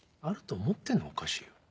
あると思ってんのがおかしいよ。